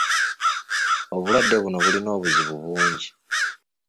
Obulwadde buno bulina obuzibu bungi.